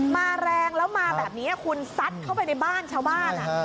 แรงแล้วมาแบบนี้คุณซัดเข้าไปในบ้านชาวบ้าน